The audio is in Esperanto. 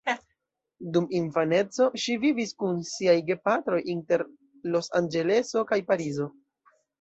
Dum infaneco ŝi vivis kun siaj gepatroj inter Los-Anĝeleso kaj Parizo.